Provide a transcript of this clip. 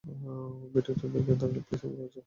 ভিডিওটা দেখে থাকলে, প্লিজ আমাকে বাঁচাও, প্রেম।